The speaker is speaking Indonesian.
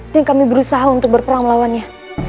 dan kami berusaha untuk berperang melawannya